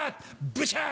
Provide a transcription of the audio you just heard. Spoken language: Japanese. ブシャ！